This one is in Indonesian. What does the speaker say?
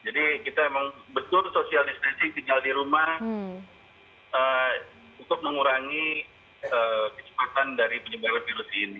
jadi kita memang betul sosial distresi tinggal di rumah untuk mengurangi kecepatan dari penyebaran virus ini